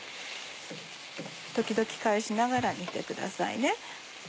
時々返しながら煮てくださいね。